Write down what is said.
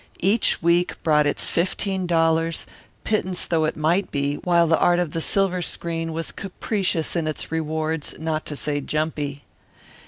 Each week brought its fifteen dollars, pittance though it might be, while the art of the silver screen was capricious in its rewards, not to say jumpy.